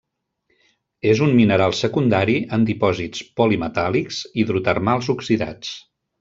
És un mineral secundari en dipòsits polimetàl·lics hidrotermals oxidats.